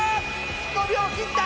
５秒切った！